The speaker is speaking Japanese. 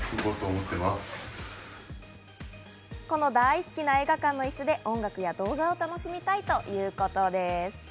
この大好きな映画館のイスで、音楽や動画を楽しみたいということです。